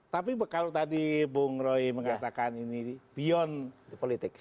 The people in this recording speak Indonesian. tapi kalau tadi bung roy mengatakan ini beyond politik